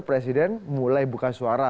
presiden mulai buka suara